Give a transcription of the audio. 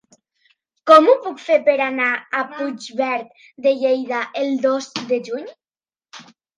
Com ho puc fer per anar a Puigverd de Lleida el dos de juny?